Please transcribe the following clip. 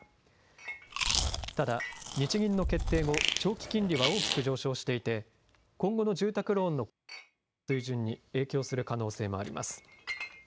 ただ日銀の決定後、長期金利は大きく上昇していて今後の住宅ローンの固定金利の水準に影響する可能性もあります。